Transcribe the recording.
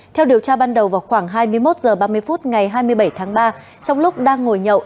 theo điều tra ban đầu vào khoảng hai mươi một h ba mươi phút ngày hai mươi bảy tháng ba trong lúc đang ngồi nhậu